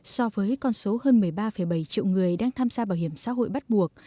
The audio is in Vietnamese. so với con số hơn một mươi ba bảy triệu người đang tham gia bảo hiểm xã hội bắt buộc